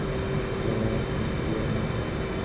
যাও আমার অনুসরণ করিও না।